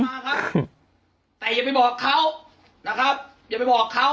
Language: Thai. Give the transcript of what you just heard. มาครับแต่อย่าไปบอกเขานะครับอย่าไปบอกเขา